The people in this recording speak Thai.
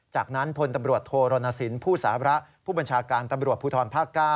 จากนั้นพลตำรวจโทรณสินผู้สาระผู้บัญชาการตำรวจภูทรภาค๙